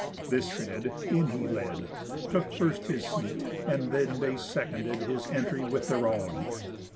This said, in he led, Took first his seat; and then they seconded His entry with their own.